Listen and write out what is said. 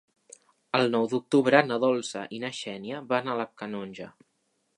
El nou d'octubre na Dolça i na Xènia van a la Canonja.